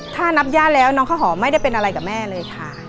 ถ้านับย่าแล้วน้องข้าวหอมไม่ได้เป็นอะไรกับแม่เลยค่ะ